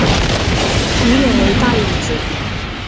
主演为大野智。